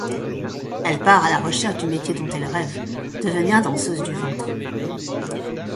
Elle part à la recherche du métier dont elle rêve, devenir danseuse du ventre.